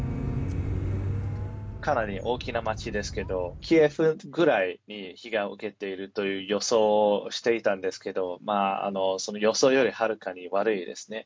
かなり大きな街ですけど、キエフぐらいに被害を受けているという予想をしていたんですけど、その予想よりはるかに悪いですね。